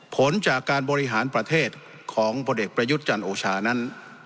ผลจากการบริหารประเทศของพลเอกประยุทธ์จันทร์โอชานั้น